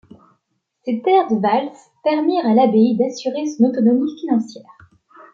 Ces terres de Vasles permirent à l'abbaye d'assurer son autonomie financière.